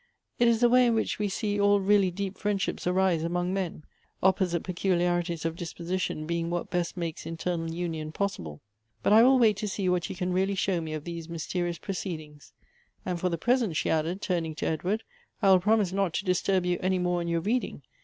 It is the way in which we see all really deep friendships arise among men ; opposite peculiarities of disposition being what best makes internal union possible. But I will wait to see what you can really show me of these mysterious proceedings ; and for the present," she added, turning to Edward, " I will promise not to disturb you any more in your reading.